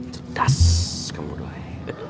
cepetas kamu doi